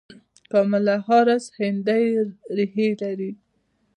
کاملا هاریس هندي ریښې لري.